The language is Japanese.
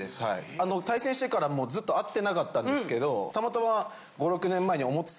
あの対戦してからもうずっと会ってなかったんですけどたまたま。